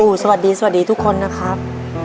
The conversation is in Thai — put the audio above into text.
สวัสดีสวัสดีทุกคนนะครับ